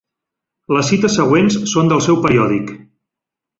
Les cites següents són del seu periòdic.